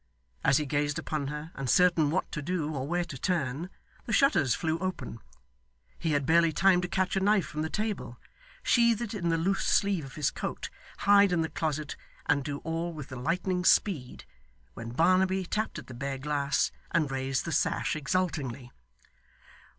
As he gazed upon her, uncertain what to do or where to turn, the shutters flew open. He had barely time to catch a knife from the table, sheathe it in the loose sleeve of his coat, hide in the closet, and do all with the lightning's speed, when Barnaby tapped at the bare glass, and raised the sash exultingly.